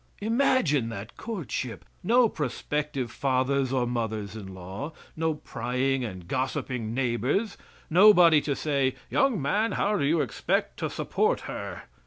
Imagine that courtship! No prospective fathers or mothers in law; no prying and gossiping neighbors; nobody to say, "Young man, how do you expect to support her?"